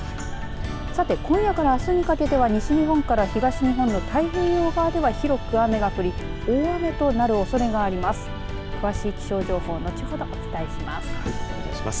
さて、今夜からあすにかけて西日本から東日本に太平洋側では広く雨が降り大雨となるおそれがあります。